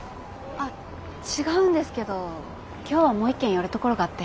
あっ違うんですけど今日はもう一軒寄るところがあって。